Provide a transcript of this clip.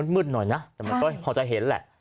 มืดหน่อยนะแต่มันก็พอจะเห็นแหละ